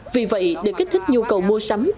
vì vậy để kích thích nhu cầu mua sắm